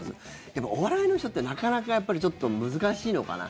でも、お笑いの人ってなかなかちょっと難しいのかな。